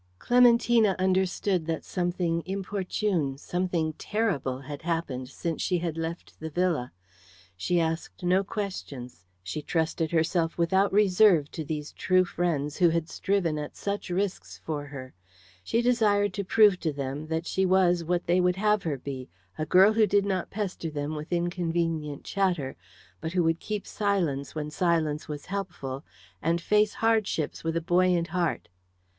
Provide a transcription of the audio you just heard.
Clementina understood that something inopportune, something terrible, had happened since she had left the villa. She asked no questions; she trusted herself without reserve to these true friends who had striven at such risks for her, she desired to prove to them that she was what they would have her be, a girl who did not pester them with inconvenient chatter, but who could keep silence when silence was helpful, and face hardships with a buoyant heart.